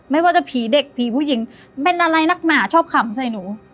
ไม่ว่าจะผีเด็กผีผู้หญิงเป็นอะไรนักหนาชอบขำใส่หนู